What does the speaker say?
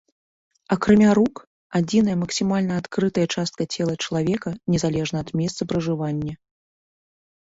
Акрамя рук, адзіная максімальна адкрытая частка цела чалавека, незалежна ад месца пражывання.